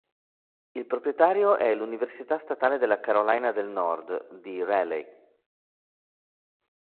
Il proprietario è l'Università statale della Carolina del Nord di Raleigh.